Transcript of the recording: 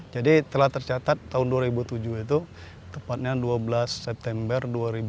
jadi telah tercatat tahun dua ribu tujuh itu tepatnya dua belas september dua ribu tujuh